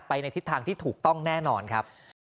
ในทิศทางที่ถูกต้องแน่นอนครับ